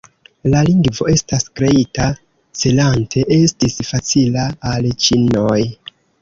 La lingvo estas kreita celante esti facila al ĉinoj.